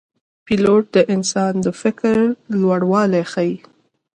پیلوټ د انسان د فکر لوړوالی ښيي.